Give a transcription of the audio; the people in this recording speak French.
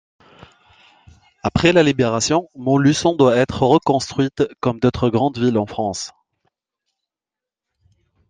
Après la Libération, Montluçon doit être reconstruite comme d'autres grandes villes en France.